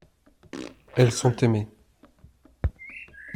Elles sont aimées.